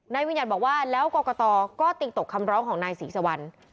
วิญญัติบอกว่าแล้วกรกตก็ติงตกคำร้องของนายศรีสุวรรณ